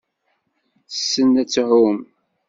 Tessen ad tεumm.